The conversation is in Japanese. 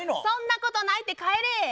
そんなことないって帰れ。